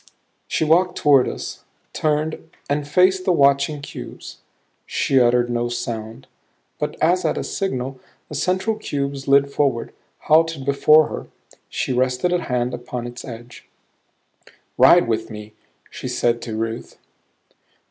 She walked toward us, turned and faced the watching cubes. She uttered no sound, but as at a signal the central cube slid forward, halted before her. She rested a hand upon its edge. "Ride with me," she said to Ruth.